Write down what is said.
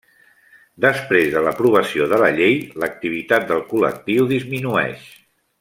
Després de l'aprovació de la llei l'activitat del col·lectiu disminueix.